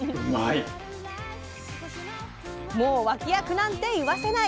もう脇役なんて言わせない！